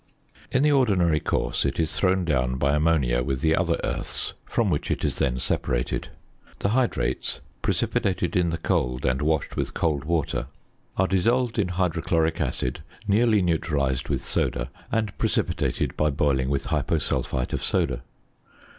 In the ordinary course it is thrown down by ammonia with the other earths, from which it is thus separated: The hydrates precipitated in the cold, and washed with cold water, are dissolved in hydrochloric acid, nearly neutralised with soda, and precipitated by boiling with hyposulphite of soda.